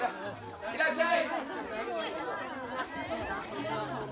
いらっしゃい！